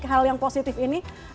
hal yang positif ini